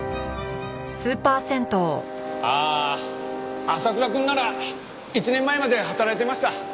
ああ浅倉くんなら１年前まで働いていました。